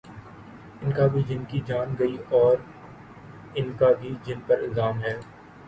ان کا بھی جن کی جان گئی اوران کا بھی جن پر الزام ہے۔